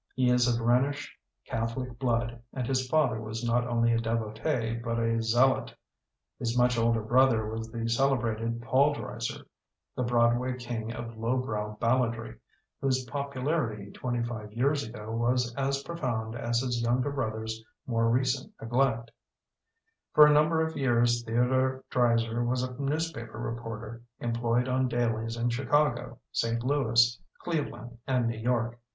He is of Rhenish Catholic blood and his father was not only a devotee but a zealot. His much older brother was the celebrated Paul Dresser, the Broadway king of low brow balladry, whose popularity twenty five years ago was as profound as his younger brother's more recent neglect For a number of years Theo dore Dreiser was a newspaper report er, employed on dailies in Chicago, St. Louis, Cleveland, and New York.